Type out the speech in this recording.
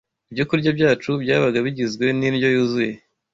Ibyokurya byacu byabaga bigizwe n’indyo yuzuye